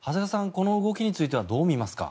この動きについてはどう見ますか？